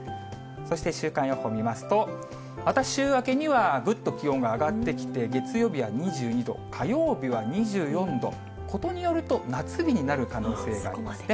そして週間予報見ますと、また週明けにはぐっと気温が上がってきて、月曜日は２２度、火曜日は２４度、ことによると、夏日になる可能性がありますね。